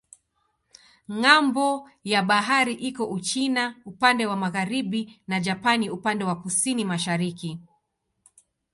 Ng'ambo ya bahari iko Uchina upande wa magharibi na Japani upande wa kusini-mashariki.